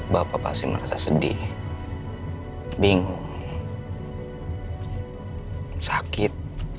bapak pasti merasa sedih bingung sakit